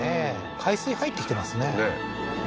海水入ってきてますねねえ